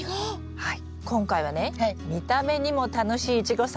はい。